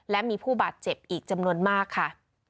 และมีผู้บาดเจ็บอีกจำนวนมากค่ะ